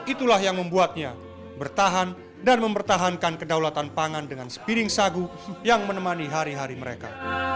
itulah yang membuatnya bertahan dan mempertahankan kedaulatan pangan dengan sepiring sagu yang menemani hari hari mereka